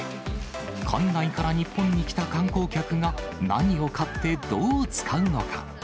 海外から日本に来た観光客が、何を買って、どう使うのか。